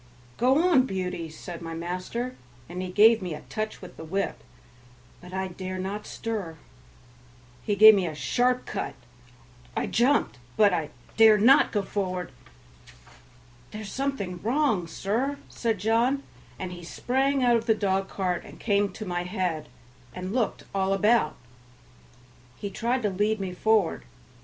"Go on, Beauty," said my master, and he gave me a touch with the whip, but I dare not stir; he gave me a sharp cut; I jumped, but I dare not go forward. "There's something wrong, sir," said John, and he sprang out of the dog cart and came to my head and looked all about. He tried to lead me forward.